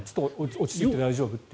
落ち着いて大丈夫と。